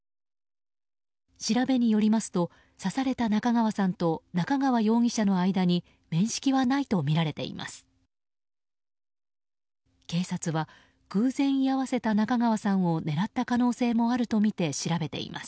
調べによりますと刺された中川さんと中川容疑者の間に面識はないとみられています。